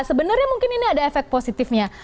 sebenarnya mungkin ini ada efek positifnya